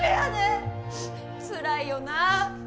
つらいよなあ。